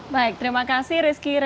baik terima kasih rizky